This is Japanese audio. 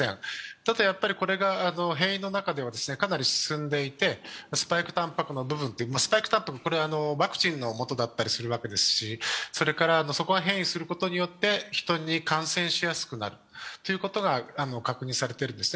ただ、これが変異の中ではかなり進んでいて、スパイクたんぱくはワクチンのもとだったりするわけですし、そこは変異することによって人に感染しやすくなるということが確認されているんですね。